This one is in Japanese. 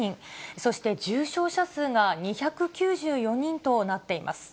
そして重症者数が２９４人となっています。